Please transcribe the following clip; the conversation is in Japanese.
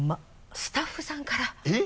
スタッフさんから。